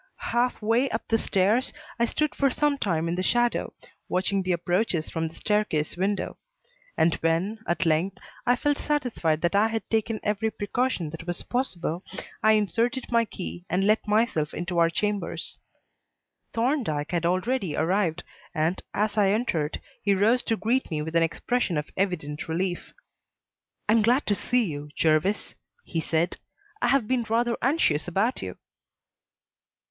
Half way up the stairs, I stood for some time in the shadow, watching the approaches from the staircase window; and when, at length, I felt satisfied that I had taken every precaution that was possible, I inserted my key and let myself into our chambers. Thorndyke had already arrived, and, as I entered, he rose to greet me with an expression of evident relief. "I am glad to see you, Jervis," he said. "I have been rather anxious about you."